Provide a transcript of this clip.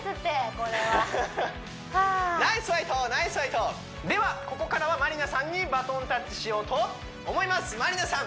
これはナイスファイトナイスファイトではここからはまりなさんにバトンタッチしようと思いますまりなさん